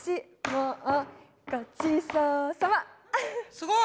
すごい！